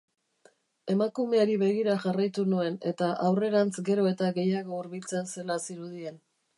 Emakumeari begira jarraitu nuen, eta aurrerantz gero eta gehiago hurbiltzen zela zirudien.